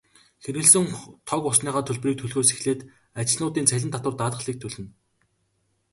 Хэрэглэсэн тог, усныхаа төлбөрийг төлөхөөс эхлээд ажилтнуудын цалин, татвар, даатгалыг төлнө.